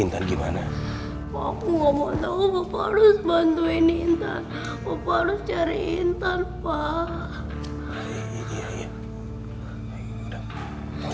intan gimana aku nggak mau tahu harus bantuin intan intan cari intan pak